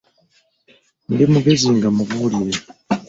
Ndi mugezi nga mubuulire.